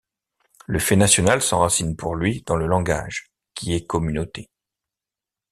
Le fait national s'enracine pour lui dans le langage, qui est communauté.